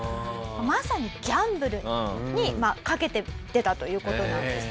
まさにギャンブルにかけて出たという事なんです。